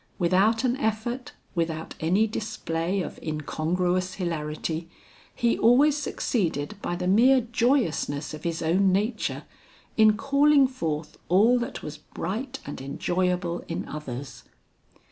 Without an effort, without any display of incongruous hilarity, he always succeeded by the mere joyousness of his own nature, in calling forth all that was bright and enjoyable in others.